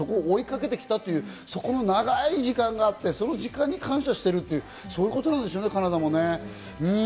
追いかけてきたという長い時間があって、その時間に感謝しているということなんでしょうね。